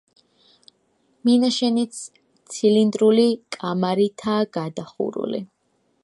მინაშენიც ცილინდრული კამარითაა გადახურული.